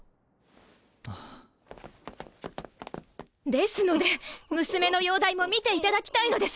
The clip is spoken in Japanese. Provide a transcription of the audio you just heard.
ですので娘の容体も診ていただきたいのです。